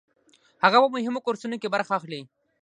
هغه په مهمو کورسونو کې برخه اخلي.